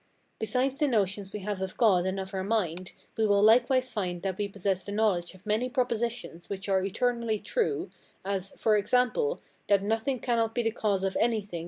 Besides the notions we have of God and of our mind, we will likewise find that we possess the knowledge of many propositions which are eternally true, as, for example, that nothing cannot be the cause of anything, etc.